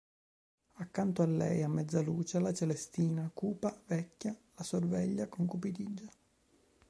Accanto a lei, a mezza luce, la Celestina, cupa vecchia, la sorveglia con cupidigia.